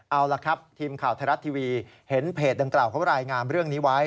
เอาละครับทีมข่าวไทยรัฐทีวีเห็นเพจดังกล่าวเขารายงานเรื่องนี้ไว้